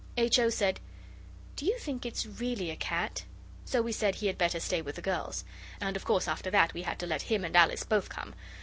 H. O. said, 'Do you think it's really a cat?' So we said he had better stay with the girls. And of course after that we had to let him and Alice both come.